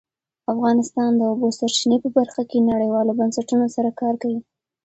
افغانستان د د اوبو سرچینې په برخه کې نړیوالو بنسټونو سره کار کوي.